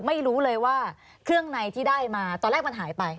ไม่รู้เลยว่าเครื่องในที่ได้มาตอนแรกมันหายไป